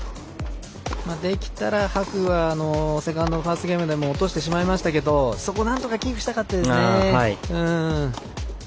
できたら、白はセカンド、ファーストゲームでも落としてしまいましたけどそこをなんとかキープしたかったですね。